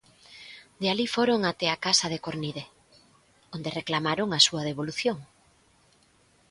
De alí foron até a Casa de Cornide, onde reclamaron a súa devolución.